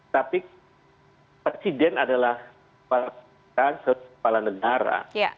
tapi presiden adalah kepala negara